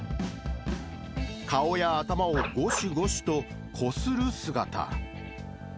顔や頭をごしごしと、こする姿。